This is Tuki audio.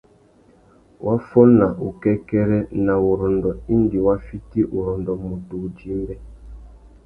Wa fôna wukêkêrê na wurrôndô indi wa fiti urrôndô MUTU wudjï-mbê.